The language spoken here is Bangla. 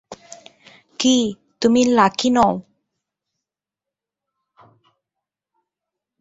কি, তুমি লাকি নও?